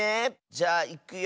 じゃあいくよ。